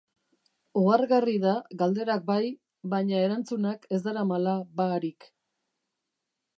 Ohargarri da galderak bai, baina erantzunak ez daramala ba-rik.